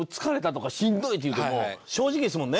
正直ですもんね。